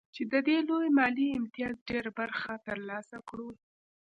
چې د دې لوی مالي امتياز ډېره برخه ترلاسه کړو